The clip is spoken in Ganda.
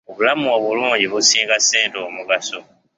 Obulamu obulungi businga ssente omugaso.